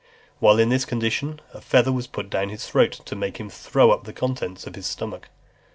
While in this condition, a feather was put down his throat, to make him throw up the contents of his stomach.